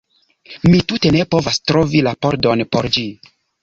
Mi tute ne povas trovi la pordon por ĝi